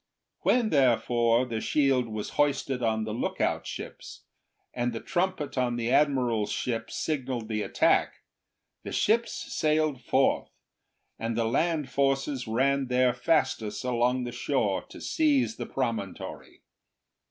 When, therefore, the shield was hoisted on the lookout ships, and the trumpet on the admiral's ship signalled the attack, the ships sailed forth, and the land forces ran their fastest along the shore to seize the promontory.